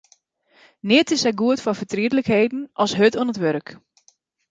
Neat is sa goed foar fertrietlikheden as hurd oan it wurk.